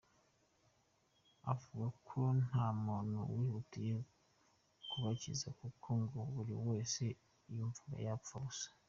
Avuga ko nta muntu wihutiye kubakiza kuko ngo buri wese yumvaga bapfa ubusa.